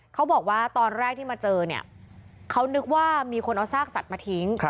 เขาบอกว่าตอนแรกที่มาเจอเนี่ยเขานึกว่ามีคนเอาซากสัตว์มาทิ้ง